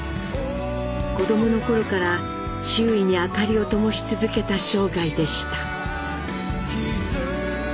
子どもの頃から周囲に明かりをともし続けた生涯でした。